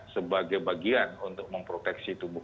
sebagai bagian untuk memproteksi tubuh